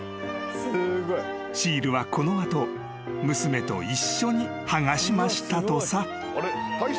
［シールはこの後娘と一緒に剥がしましたとさ］